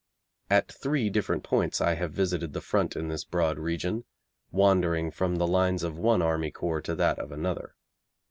At three different points I have visited the front in this broad region, wandering from the lines of one army corps to that of another.